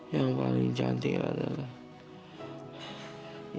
yang paling cantik adalah